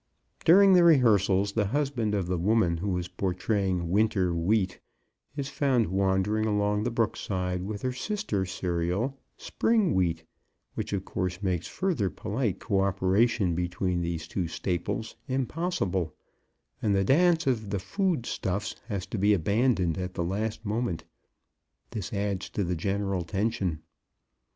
During the rehearsals the husband of the woman who is portraying Winter Wheat is found wandering along the brookside with her sister cereal Spring Wheat, which, of course, makes further polite coöperation between these two staples impossible, and the Dance of the Food Stuffs has to be abandoned at the last moment. This adds to the general tension.